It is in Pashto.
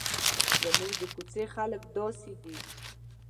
زموږ د کوڅې خلک داسې دي.